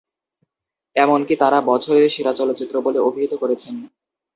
এমনকি তাঁরা "বছরের সেরা চলচ্চিত্র" বলেও অভিহিত করেছেন।